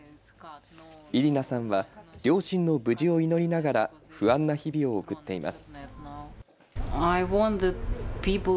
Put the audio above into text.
イリナさんは両親の無事を祈りながら不安な日々を送っています。